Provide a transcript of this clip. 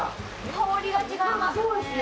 香りが違いますね。